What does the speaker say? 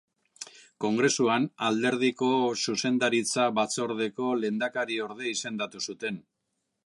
Kongresuan, alderdiko Zuzendaritza-batzordeko lehendakariorde izendatu zuten.